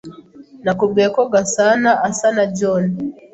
Nakubwiye ko Gasanaasa na John.